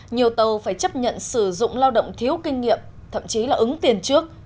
nhiều tàu phải chấp nhận sử dụng lao động thiếu kinh nghiệm thậm chí là ứng tiền trước